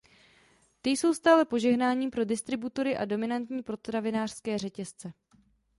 Ty jsou stále požehnáním pro distributory a dominantní potravinářské řetězce.